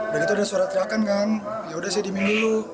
dan itu ada suara teriakan kan yaudah saya dimin dulu